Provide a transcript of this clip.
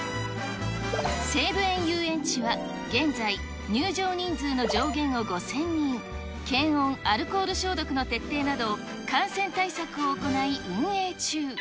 西武園ゆうえんちは現在、入場人数の上限を５０００人、検温、アルコール消毒の徹底など、感染対策を行い、運営中。